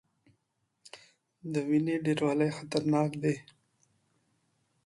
د وینې ډیروالی خطرناک دی.